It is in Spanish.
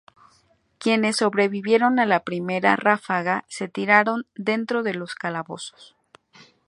Quienes sobrevivieron a la primera ráfaga, se tiraron dentro de los calabozos.